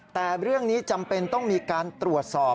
แต่เรื่องนี้จำเป็นต้องมีการตรวจสอบ